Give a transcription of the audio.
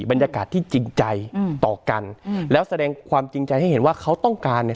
บรรยากาศที่จริงใจอืมต่อกันอืมแล้วแสดงความจริงใจให้เห็นว่าเขาต้องการเนี่ย